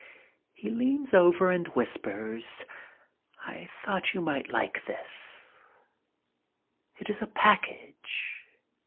He leans over and whispers, "I thought you might like this." It is a package.